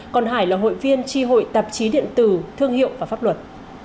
còn hải là hội viên tri hội tạp chí điện tử thương hiệu và pháp luật